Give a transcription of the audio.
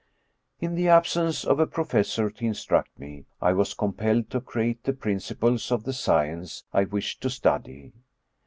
In the absence of a professor to instruct me, I was com pelled to create the principles of the science I wished to study.